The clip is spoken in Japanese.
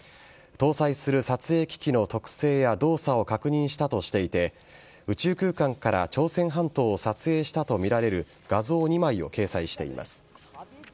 搭載する撮影機器の特性や動作を確認したとしていて、宇宙空間から朝鮮半島を撮影したと見られる画像２枚を掲載しています。